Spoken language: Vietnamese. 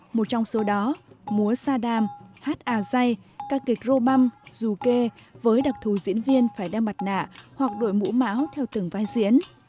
một trong số đó múa sa đam hát à dây ca kịch rô băm dù kê với đặc thù diễn viên phải đeo mặt nạ hoặc đổi mũ máu theo từng vai diễn